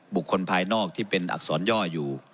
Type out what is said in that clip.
บุคคลภายนอกที่เป็นอักษรย่ออยู่